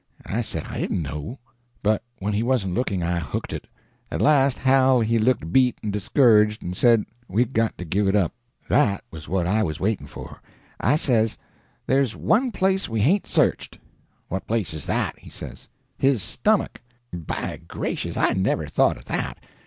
I said I didn't know; but when he wasn't looking I hooked it. At last Hal he looked beat and discouraged, and said we'd got to give it up. That was what I was waiting for. I says: "'There's one place we hain't searched.' "'What place is that?' he says. "'His stomach.' "'By gracious, I never thought of that!